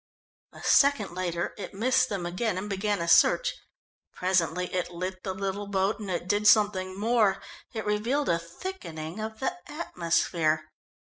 A second later it missed them and began a search. Presently it lit the little boat, and it did something more it revealed a thickening of the atmosphere.